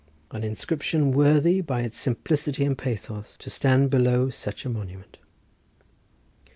An inscription worthy, by its simplicity and pathos, to stand below such a monument.